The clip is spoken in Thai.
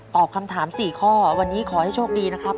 คำถาม๔ข้อวันนี้ขอให้โชคดีนะครับ